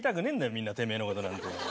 みんなテメエのことなんて。